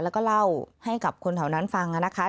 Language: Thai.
แล้วก็เล่าให้กับคนแถวนั้นฟังนะคะ